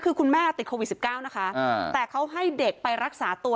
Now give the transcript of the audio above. คือคุณแม่ติดโควิด๑๙นะคะแต่เขาให้เด็กไปรักษาตัว